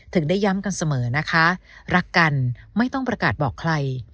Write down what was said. ได้ย้ำกันเสมอนะคะรักกันไม่ต้องประกาศบอกใคร